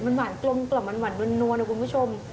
มันหวานกลมกล่อมมันหวานนวลนะคุณผู้ชม